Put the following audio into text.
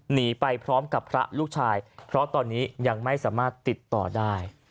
หนีไปพร้อมกับพระลูกชายเพราะตอนนี้ยังไม่สามารถติดต่อได้